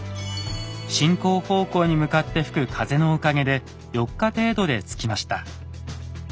進行方向に向かって吹く風のおかげで４日程度で着きました。